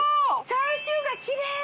チャーシューがキレイ！